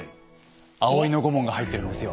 葵のご紋が入ってるんですよ。